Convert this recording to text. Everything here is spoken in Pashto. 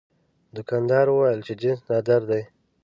دوکاندار وویل چې جنس نادر دی.